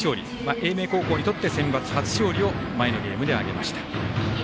英明高校にとってセンバツ初勝利を前のゲームで挙げました。